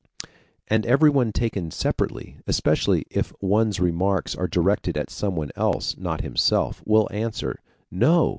And everyone taken separately, especially if one's remarks are directed at someone else, not himself, will answer, No!